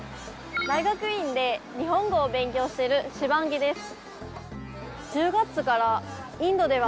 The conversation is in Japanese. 大学院で日本語を勉強してるシバンギです。